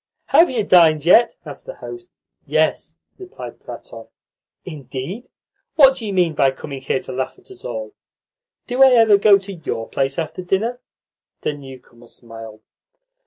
"Have you dined yet?" asked the host. "Yes," replied Platon. "Indeed? What do you mean by coming here to laugh at us all? Do I ever go to YOUR place after dinner?" The newcomer smiled.